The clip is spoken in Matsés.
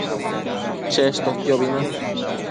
cheshtoquiobi në